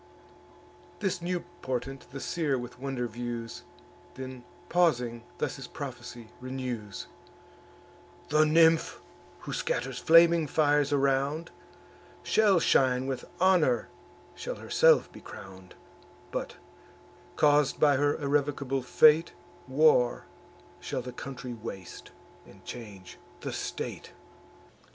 This new portent the seer with wonder views, Then pausing, thus his prophecy renews: "The nymph, who scatters flaming fires around, Shall shine with honour, shall herself be crown'd; But, caus'd by her irrevocable fate, War shall the country waste, and change the state."